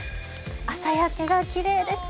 朝焼けがきれいですね。